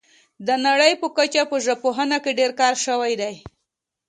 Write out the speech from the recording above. د نړۍ په کچه په ژبپوهنه کې ډیر کار شوی دی